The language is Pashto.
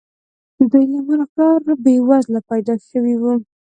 دوی له مور او پلاره بې وزله پيدا شوي وو.